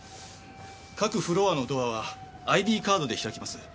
各フロアのドアはＩＤカードで開きます。